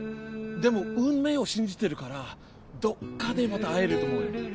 でも運命を信じてるからどっかでまた会えると思うよ。